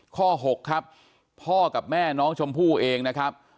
ข้อ๖ครับพ่อกับแม่น้องชมพู่เองนะครับ